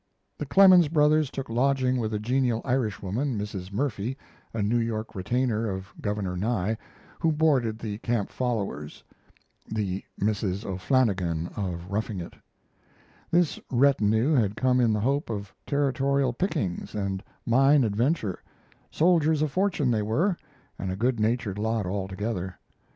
The Clemens brothers took lodging with a genial Irishwoman, Mrs. Murphy, a New York retainer of Governor Nye, who boarded the camp followers. [The Mrs. O'Flannigan of 'Roughing It'.] This retinue had come in the hope of Territorial pickings and mine adventure soldiers of fortune they were, and a good natured lot all together.